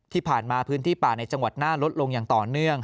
ที่ผ่านมาพื้นที่ป่าในจังหวัดน่านลดลงอย่างต่อเนื่อง